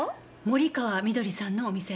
森川みどりさんのお店。